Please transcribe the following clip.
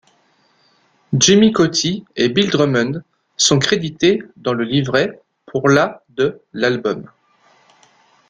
Jimmy Cauty et Bill Drummond sont crédités, dans le livret, pour la de l'album.